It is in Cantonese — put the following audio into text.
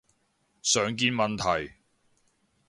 常見問題